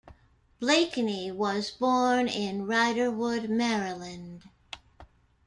Blakeney was born in Riderwood, Maryland.